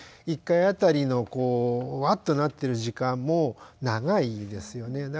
１回あたりのこうワッとなってる時間も長いですよね。